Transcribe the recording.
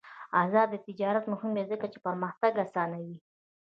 آزاد تجارت مهم دی ځکه چې پرمختګ اسانوي.